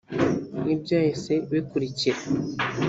n’ibyahise bikurikira